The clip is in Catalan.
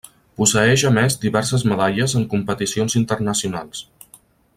Posseeix a més diverses medalles en competicions internacionals.